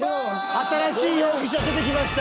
新しい容疑者出てきました。